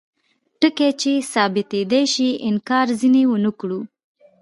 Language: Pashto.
ټکي چې ثابتیدای شي انکار ځینې ونکړو.